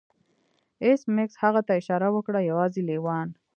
ایس میکس هغه ته اشاره وکړه یوازې لیوان